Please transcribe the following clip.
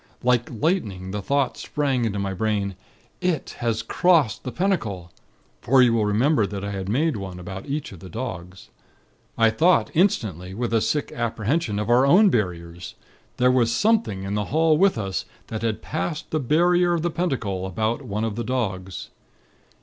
Like lightning, the thought sprang into my brain: IT has crossed the Pentacle. For you will remember that I had made one about each of the dogs. I thought instantly, with a sick apprehension, of our own Barriers. There was something in the hall with us that had passed the Barrier of the Pentacle about one of the dogs.